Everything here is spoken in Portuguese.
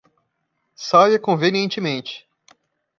Saia convenientemente.